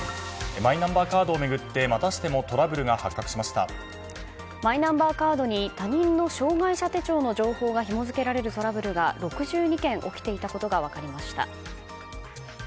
マイナンバーカードを巡ってまたしてもマイナンバーカードに他人の障害者手帳の情報がひも付けられるトラブルが６２件起きていたことが分かりました。